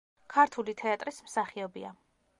ქართული თეატრის მსახიობია.